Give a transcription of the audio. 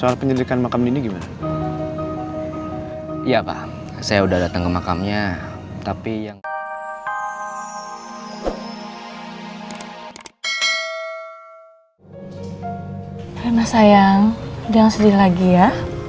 rena sayang jangan sedih lagi ya